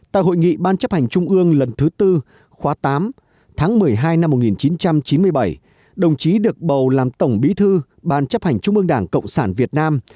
tại hội nghị ban chấp hành trung ương lần thứ bốn khóa tám tháng một mươi hai năm một nghìn chín trăm chín mươi bảy đồng chí được bầu làm tổng bí thư ban chấp hành trung ương đảng cộng sản việt nam